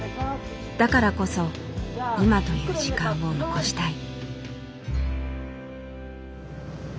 だからこそ今という時間を残したい。